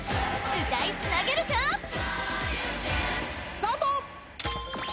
スタート！